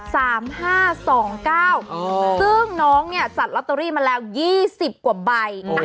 ซึ่งน้องเนี่ยจัดลอตเตอรี่มาแล้ว๒๐กว่าใบ